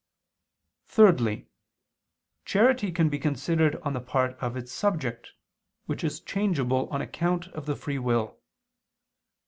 Thirdly, charity can be considered on the part of its subject, which is changeable on account of the free will.